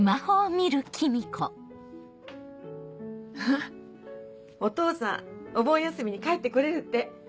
あっお父さんお盆休みに帰ってこれるって。